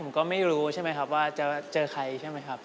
ผมก็ไม่รู้ใช่ไหมครับว่าจะเจอใครใช่ไหมครับ